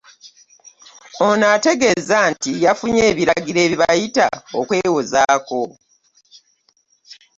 Ono ategeezezza nti yafunye ebiragiro ebibayita okwewozaako